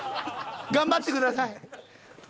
頑張ってください。